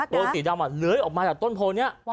โรงสีดำเหลือออกมาจากต้นโพอนี้